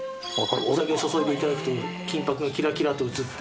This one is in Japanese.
お酒注いで頂くと金箔がキラキラと映って。